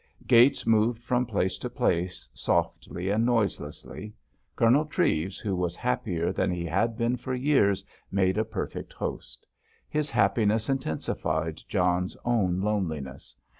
Gates moved from place to place softly and noiselessly. Colonel Treves, who was happier than he had been for years, made a perfect host. His happiness intensified John's own loneliness.